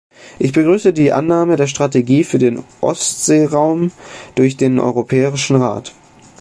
Ich begrüße die Annahme der Strategie für den Ostseeraum durch den Europäischen Rat.